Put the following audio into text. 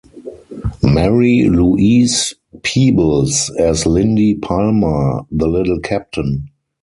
Mary Louise Peebles as Lynde Palmer - "The Little Captain"